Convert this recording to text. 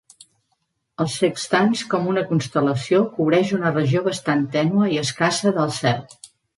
El Sextans com una constel·lació cobreix una regió bastant tènue i escassa del cel.